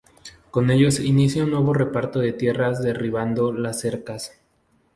Con ellos inicia un nuevo reparto de tierras derribando las cercas.